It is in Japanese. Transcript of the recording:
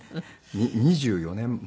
２４年前？